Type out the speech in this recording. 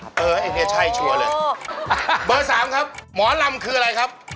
เบอร์๓ครับหมอลำคืออะไรครับ